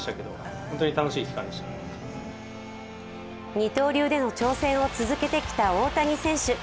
二刀流での挑戦を続けてきた大谷選手。